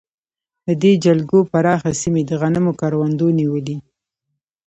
د دې جلګو پراخه سیمې د غنمو کروندو نیولې.